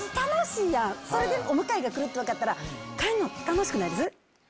お迎えが来るって分かったら帰るの楽しくないです？